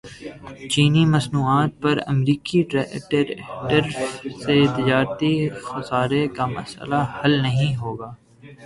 چینی مصنوعات پر امریکی ٹیرف سے تجارتی خسارے کا مسئلہ حل نہیں ہوگا